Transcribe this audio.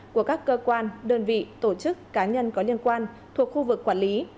của các cơ quan đơn vị tổ chức cá nhân có liên quan thuộc khu vực quản lý